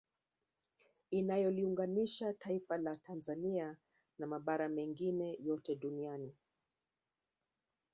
Inayoliunganisha taifa la Tanzania na mabara mengine yote duniani